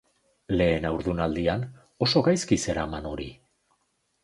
Lehen haurdunaldian oso gaizki zeraman hori.